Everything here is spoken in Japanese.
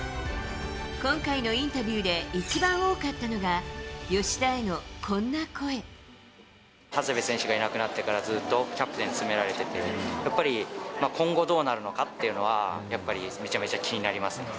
今回のインタビューで一番多かったのが、長谷部選手がいなくなってから、ずっとキャプテン務められてて、やっぱり今後どうなるのかっていうのはやっぱり、めちゃめちゃ気になります。